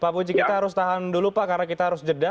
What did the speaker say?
pak puji kita harus tahan dulu pak karena kita harus jeda